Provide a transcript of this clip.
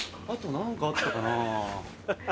あと何かあったかなぁ。